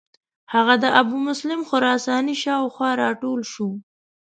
هغه د ابومسلم خراساني شاو خوا را ټول شو.